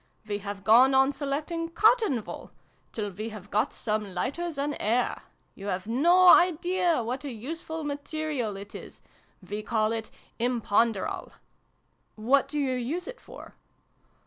We have gone on selecting cotton wool, till we have got some lighter than air ! You've no idea what a useful material it is ! We call it ' Imponderal.' ''' What do you use it for